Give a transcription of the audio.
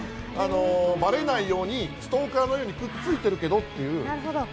バレないようにストーカーのようにくっついてるけどっていう。